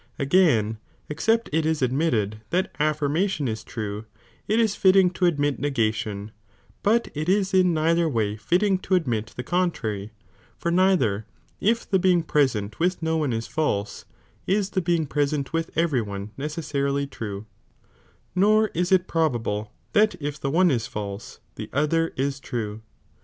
Again, exc^t it is admitted that afiirmation is true, it is fitting to admit nega tion ; but it is in neither way fitting to admit the contrary, for neither, if the being present with no one is false, is the being present with every one necessarily true, nor is it probable that if the one is false tlie other is tioie.